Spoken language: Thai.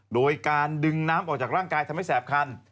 โดยการดึงน้ำออกจากร่างกายทำให้แสบคัน